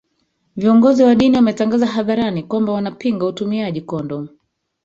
viongozi wa dini wametangaza hadharani kwamba wanapinga utumiaji kondomu